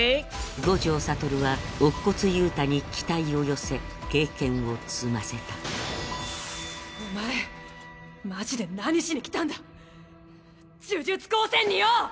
五条悟は乙骨憂太に期待を寄せ経験を積ませたお前マジで何しに来たんだ呪術高専によ！